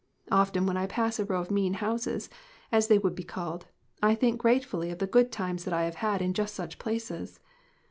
Often when I pass a row of mean houses, as they would be called, I think gratefully of the good times that I have had in just such places."